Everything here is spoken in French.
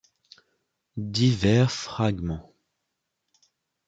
Divers fragments.